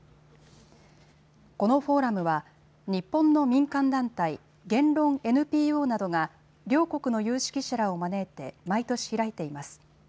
このフォーラムは日本の民間団体、言論ＮＰＯなどが両国の有識者らを招いて毎年開いています。